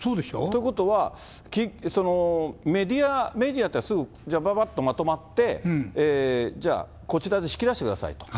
ということは、そのメディア、メディアってすぐ、じゃあばばっとまとまって、じゃあ、こちらで仕切らせてくださいと。